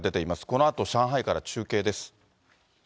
このあと上海から中継です。